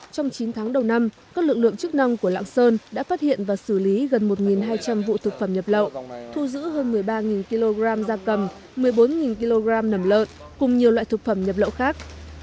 trong chín tháng đầu năm các lực lượng chức năng của lạng sơn đã phát hiện và xử lý gần một hai trăm linh vụ thực phẩm nhập lậu thu giữ hơn một mươi ba kg da cầm một mươi bốn kg nầm lợn cùng nhiều loại thực phẩm nhập lậu khác